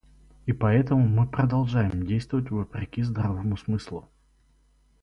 И поэтому мы продолжаем действовать вопреки здравому смыслу.